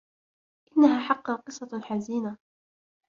إنها حقّاً قصّة حزينة.